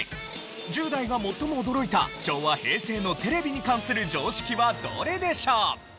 １０代が最も驚いた昭和・平成のテレビに関する常識はどれでしょう？